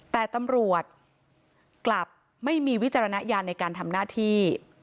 แต่ตำรวจกลับไม่มีวิจารณญาณในการทำหน้าที่